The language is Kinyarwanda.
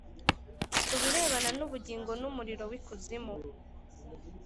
ku birebana n’ubugingo n’umuriro w’ikuzimu